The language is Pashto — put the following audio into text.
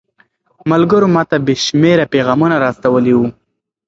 ملګرو ماته بې شمېره پيغامونه را استولي وو.